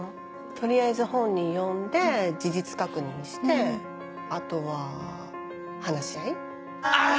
取りあえず本人呼んで事実確認してあとは話し合い？